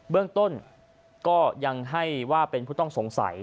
เรื่องต้นก็ยังให้ว่าเป็นผู้ต้องสงสัย